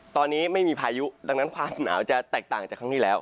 ตอนนี้ไม่มีพายุดังนั้นความหนาวจะแตกต่างจากครั้งนี้แล้ว